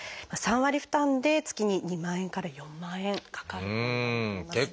３割負担で月に２万円から４万円かかるといわれています。